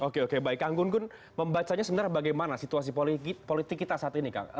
oke oke baik kang gunggun membacanya sebenarnya bagaimana situasi politik kita saat ini kang